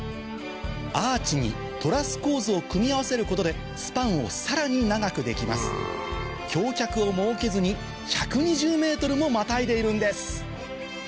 アーチにトラス構造を組み合わせることでスパンをさらに長くできます橋脚を設けずに１２０ｍもまたいでいるんです